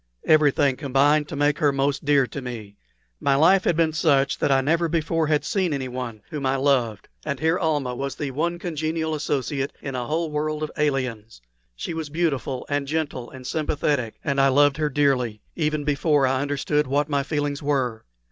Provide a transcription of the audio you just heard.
Everything combined to make her most dear to me. My life had been such that I never before had seen anyone whom I loved; and here Almah was the one congenial associate in a whole world of aliens: she was beautiful and gentle and sympathetic, and I loved her dearly, even before I understood what my feelings were.